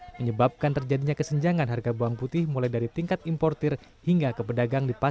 menyebabkan terjadinya kesenjangan harga bawang putih mulai dari tingkat importer hingga ke pedagang di pasar